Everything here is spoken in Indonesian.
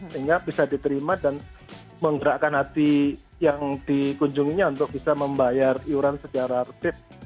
sehingga bisa diterima dan menggerakkan hati yang dikunjunginya untuk bisa membayar iuran secara tertib